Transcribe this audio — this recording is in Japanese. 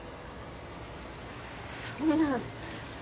そんな。